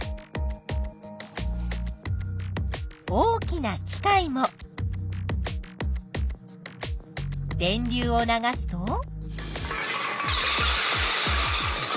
大きな機械も電流を流すと？